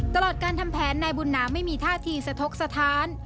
ตลอดการทำแผนนายบุญนาไม่มีท่าทีสะทกสถาน